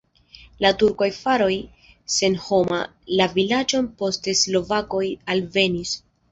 La turkoj faris senhoma la vilaĝon, poste slovakoj alvenis.